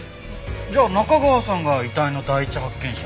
じゃあ中川さんが遺体の第一発見者？